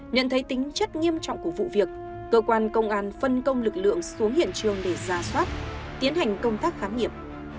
nhận thấy tính chất nghiêm trọng của vụ việc cơ quan công an phân công lực lượng xuống hiện trường để ra soát tiến hành công tác khám nghiệm